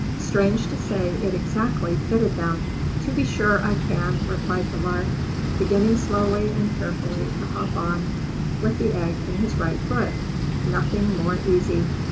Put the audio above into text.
Strange to say, it exactly fitted them. "To be sure I can, replied the Lark, beginning slowly and carefully t^ hop on with the egg in his right foot; "nothing more easy.